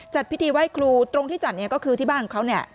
จัดพิธีไหว้ครูตรงที่จัดเนี่ยก็คือที่บ้านของเขาเนี่ย